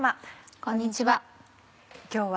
こんにちは。